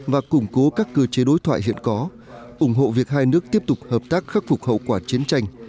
và củng cố các cơ chế đối thoại hiện có ủng hộ việc hai nước tiếp tục hợp tác khắc phục hậu quả chiến tranh